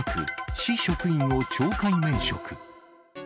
市職員を懲戒免職。